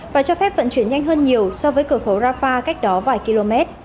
và cho phép vận chuyển nhanh hơn nhiều so với cửa khẩu rafah cách đó vài km